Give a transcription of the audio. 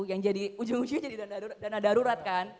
yang jadi ujung ujungnya jadi dana darurat kan